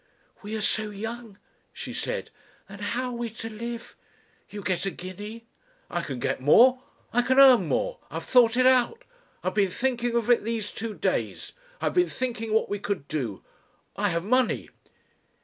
"We are so young," she said. "And how are we to live? You get a guinea." "I can get more I can earn more, I have thought it out. I have been thinking of it these two days. I have been thinking what we could do. I have money."